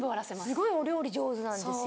すごいお料理上手なんですよ。